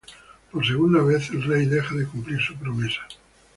Por segunda vez, el rey deja de cumplir su promesa.